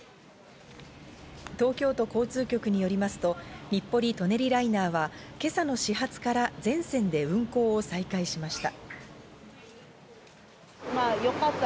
東京都交通局によりますと日暮里・舎人ライナーは今朝の始発から全線で運行を再開しました。